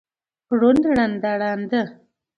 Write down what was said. ړوند، ړنده، ړانده